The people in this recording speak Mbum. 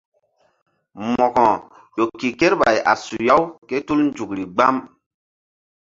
Mo̧ko ƴo ke kerɓay a suya-u ké tul nzukri gbam.